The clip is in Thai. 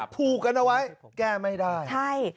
ผูกกันเอาไว้แก้ไม่ได้ใช่